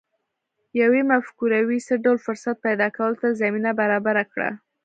یوې مفکورې څه ډول فرصت پیدا کولو ته زمینه برابره کړه